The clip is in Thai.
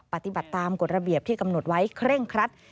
ปฏิบัติตามกฎระเบียบที่กำหนดไว้เคร่งครัด